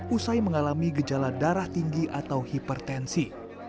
usai mengalami gejala darah tinggi atau hipertensi